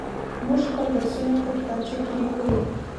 موږ خپل درسونه په کتابچو کې ليكو.